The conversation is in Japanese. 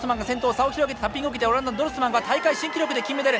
差を広げてタッピングを受けてオランダのドルスマンが大会新記録で金メダル。